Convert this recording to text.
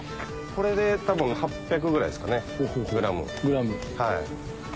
これでたぶん８００ぐらいですかねグラム。